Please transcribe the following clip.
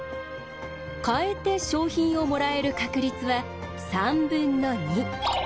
変えて賞品をもらえる確率は３分の２。